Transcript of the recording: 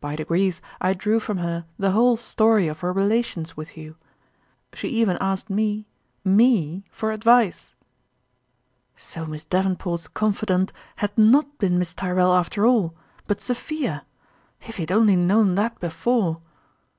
By degrees I drew from her the whole story of her relations with you : she even asked me me for advice !" So Miss Davenport's confidante had not been Miss Tyrrell after all but Sophia ! If he had only known that before